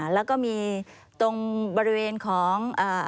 แล้วก็มีตรงบริเวณของ